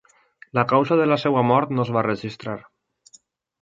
La causa de la seva mort no es va registrar.